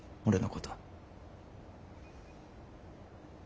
俺のこと。